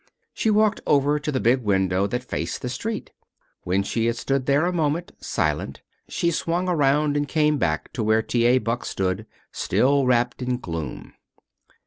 She walked over to the big window that faced the street. When she had stood there a moment, silent, she swung around and came back to where T. A. Buck stood, still wrapped in gloom.